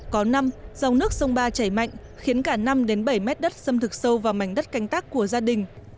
có năm dòng nước sông ba chảy mạnh khiến cả năm bảy mét đất xâm thực sâu vào mảnh đất canh tác của gia đình